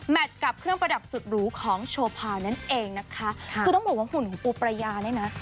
แมตต์กับเครื่องประดับสุดหลวนของโชว์ปานั่นเองนะคะค่ะคือต้องบอกว่าหุ่นของปูประยานเองนะ